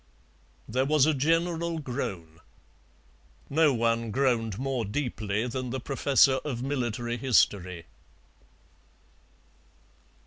There was a general groan. No one groaned more deeply than the professor of military history.